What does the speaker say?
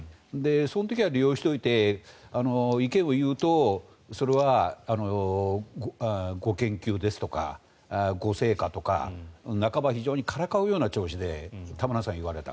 その時は利用しておいて意見を言うとそれはご研究ですとかご成果とか半ば非常にからかうような調子で田村さんは言われた。